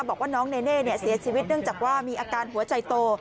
บอกว่าน้องเนเน่เสียชีวิตเนื่องจากว่ามีอาการหัวใจโต